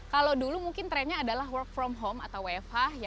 kalau dulu mungkin trennya adalah work from home atau wfh